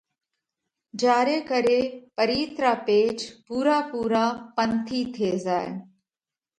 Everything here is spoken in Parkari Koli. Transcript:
جيا ري ڪري پرِيت را پيچ پُورا پُورا پنَٿِي ٿي زائه۔